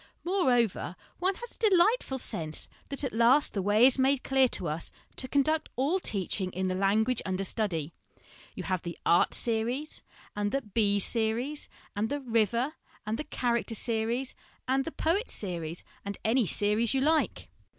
Moreover, one has a delightful sense that at last the way is made clear to us to conduct all teaching in the language under study. You have the ' Art Series ' and the ' Bee Series ' and the ' River ' and the ' Character Series ' and the ' Poet Series/ and any series you like.